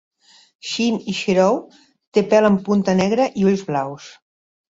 Shin-ichirou té pèl en punta negre i ulls blaus.